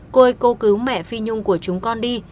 cô ơi cô cứu mẹ phi nhung của chúng con đi